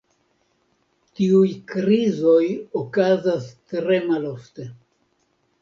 Tiuj krizoj okazas tre malofte.